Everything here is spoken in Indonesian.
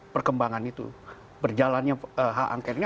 perkembangan itu berjalannya hal hal yang lainnya